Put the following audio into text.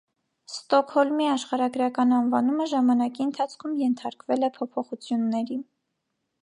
Ստոկհոլմի աշխարհագրական անվանումը ժամանակի ընթացքում ենթարկվել է փոփոխությունների։